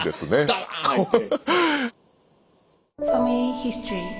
ダバーンって。